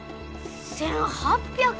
１，８００！？